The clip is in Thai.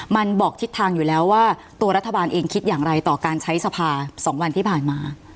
มันบอกทิศทางอยู่แล้วว่าตัวรัฐบาลเองคิดอย่างไรต่อการใช้สภา๒วันที่ผ่านมา